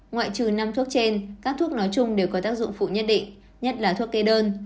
ngoại trừ năm thuốc trên các thuốc nói chung đều có tác dụng phụ nhất định nhất là thuốc kê đơn